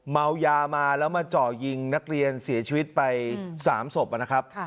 เมายามาแล้วมาเจาะยิงนักเรียนเสียชีวิตไป๓ศพนะครับ